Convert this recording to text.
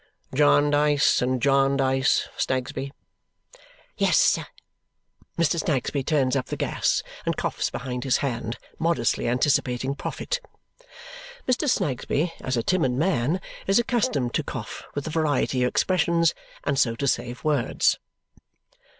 "Jarndyce and Jarndyce, Snagsby." "Yes, sir." Mr. Snagsby turns up the gas and coughs behind his hand, modestly anticipating profit. Mr. Snagsby, as a timid man, is accustomed to cough with a variety of expressions, and so to save words.